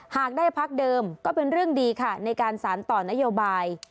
หากได้พักเดิมก็เป็นเรื่องดีค่ะในการสารต่อนโยบาย